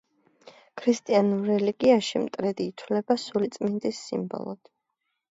ქრისტიანულ რელიგიაში მტრედი ითვლება სული წმინდის სიმბოლოდ.